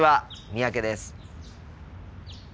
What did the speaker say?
三宅です。